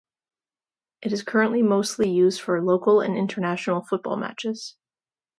It is currently mostly used for local and international football matches.